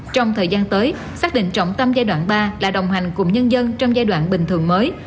trong thời gian tới xác định trọng tâm giai đoạn ba là đồng hành cùng nhân dân trong giai đoạn bình thường mới